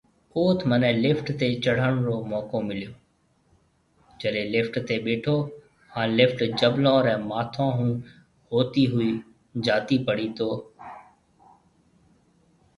اوٿ منهي لفٽ تي چڙهڻ رو موقعو مليو، جڏي لفٽ تي ٻيٺو هان لفٽ جبلون ري ماٿون ھونهوتي هوئي جاتي پڙي تو